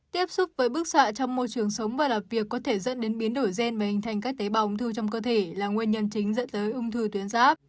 tiếp xúc với bức xạ trong môi trường sống và làm việc có thể dẫn đến biến đổi gen và hình thành các tế bào ung thư trong cơ thể là nguyên nhân chính dẫn tới ung thư tuyến giáp